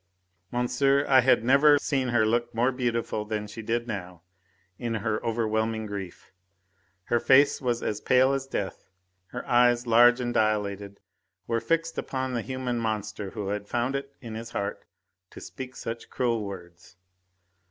Monsieur, I had never seen her look more beautiful than she did now in her overwhelming grief. Her face was as pale as death, her eyes, large and dilated, were fixed upon the human monster who had found it in his heart to speak such cruel words.